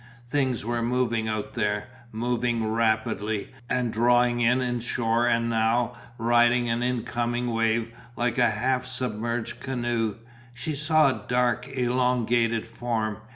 Things were moving out there, moving rapidly and drawing in shore and now, riding an incoming wave, like a half submerged canoe, she saw a dark elongated form.